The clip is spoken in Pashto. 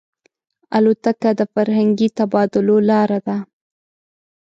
الوتکه د فرهنګي تبادلو لاره ده.